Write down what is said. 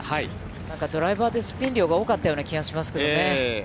なんかドライバーで、スピン量が多かったような気がしますけどね。